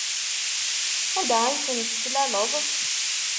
Anda ay tent-teslaleḍ?